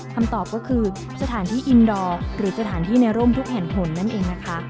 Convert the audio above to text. คำตอบก็คือสถานที่อินดอร์หรือสถานที่ในร่มทุกแห่งผลนั่นเองนะคะ